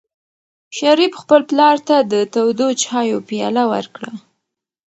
شریف خپل پلار ته د تودو چایو پیاله ورکړه.